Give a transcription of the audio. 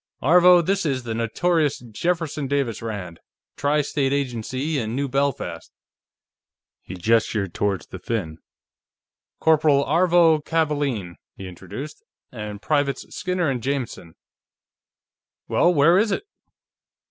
"Aarvo, this is the notorious Jefferson Davis Rand. Tri State Agency, in New Belfast." He gestured toward the Finn. "Corporal Aarvo Kavaalen," he introduced. "And Privates Skinner and Jameson.... Well, where is it?"